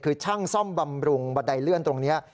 คือช่างซ่อมบำรุงบันไดเลื่อนตรงนี้